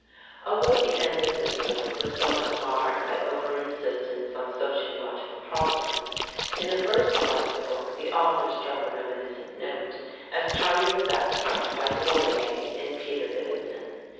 Although the end of the story was somewhat marred by over insistence on sociological problems, in the first part of the book the author struck a reminiscent note as charming as that struck by Du Maurier in "Peter Ibbetson."